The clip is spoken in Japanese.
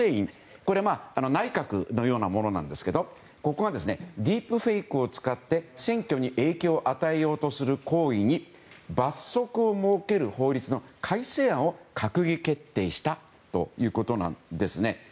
これは内閣のようなものですがここがディープフェイクを使って選挙に影響を与えようとする行為に罰則を設ける法律の改正案を閣議決定したということなんです。